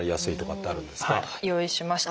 用意しました。